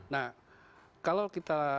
nah kalau kita